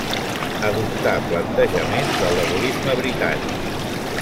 Adoptà plantejaments del laborisme britànic.